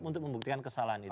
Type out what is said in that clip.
untuk membuktikan kesalahan itu